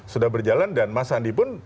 sudah berjalan dan mas sandi pun